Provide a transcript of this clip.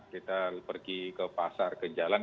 kita pergi ke pasar ke jalan